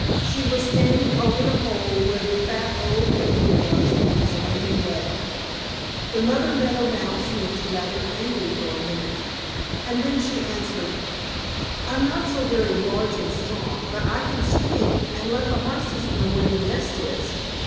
She was standing over the hole where the fat old Cricket was with his lame leg. The mother Meadow Mouse looked rather angry for a minute, and then she answered: "I'm not so very large and strong, but I can squeak and let the Horses know where the nest is.